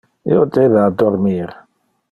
Io debe addormir.